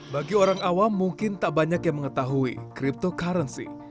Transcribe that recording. bagi orang awam mungkin tak banyak yang mengetahui cryptocurrency